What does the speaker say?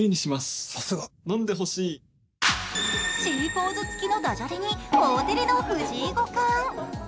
Ｃポーズつきのダジャレに大テレの藤井五冠。